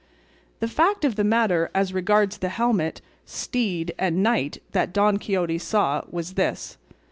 The fact of the matter as regards the helmet, steed, and knight that Don Quixote saw, was this.